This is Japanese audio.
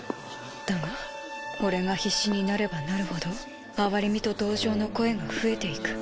だが俺が必死になればなるほど哀れみと同情の声が増えていく。